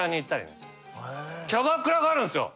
キャバクラがあるんですよ！